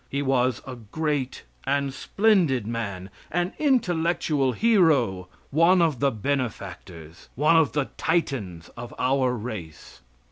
He was a great and splendid man, an intellectual hero, one of the benefactors, one of the Titans of our race.